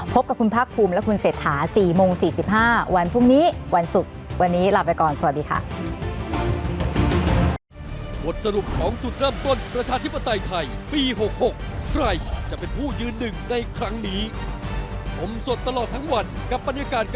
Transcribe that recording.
พบกับคุณพรรคภูมิและคุณเศรษฐา๔โมง๔๕วันพรุ่งนี้วันศุกร์